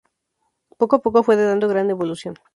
Poco a poco fue dando gran evolución.